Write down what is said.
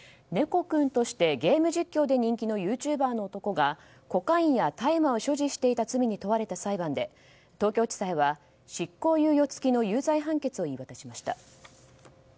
こくん！としてゲーム実況で人気のユーチューバーの男がコカインや大麻を所持していた罪に問われた裁判で東京地裁は執行猶予付きの有罪判決を言い渡しました。